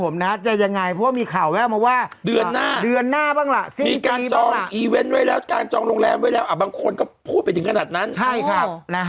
บ้างคนเขาพูดไปถึงขนาดนั้น